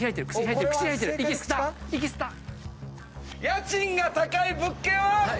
家賃が高い物件は。